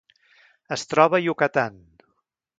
Es troba a Yucatán.